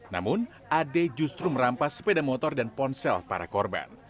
namun ad justru merampas sepeda motor dan ponsel para korban